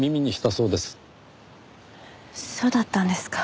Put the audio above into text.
そうだったんですか。